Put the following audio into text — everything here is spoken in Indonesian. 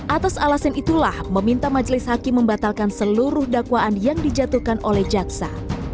atas alasan itulah meminta majelis hakim membatalkan seluruh dakwaan yang dijatuhkan oleh jaksa